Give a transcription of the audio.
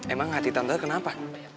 emang hati tante kenapa